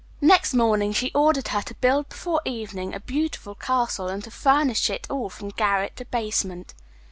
Next morning she ordered her to build before evening a beautiful castle, and to furnish it all from garret to basement.